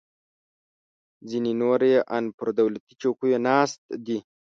ځینې نور یې ان پر دولتي چوکیو ناست دي